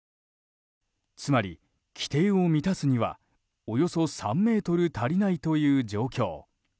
つまり、規定を満たすにはおよそ３ｍ足りないという状況。